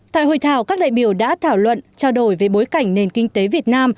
tại hội thảo các đại biểu đã thảo luận trao đổi về bối cảnh nền kinh tế việt nam